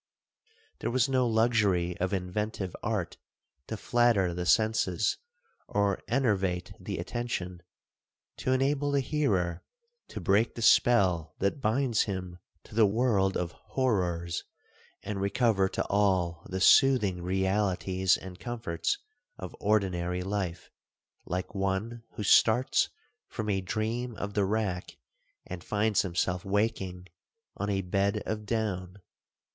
There was no luxury of inventive art to flatter the senses, or enervate the attention,—to enable the hearer to break the spell that binds him to the world of horrors, and recover to all the soothing realities and comforts of ordinary life, like one who starts from a dream of the rack, and finds himself waking on a bed of down.